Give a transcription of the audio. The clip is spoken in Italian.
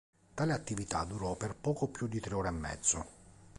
Tale attività durò per poco più di tre ore e mezzo.